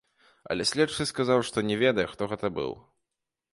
Але следчы сказаў, што не ведае, хто гэта быў.